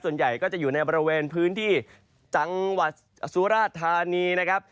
ส่วนใหญ่ก็จะอยู่ในบริเวณพื้นที่จังหวัดสุราธานีนะครับ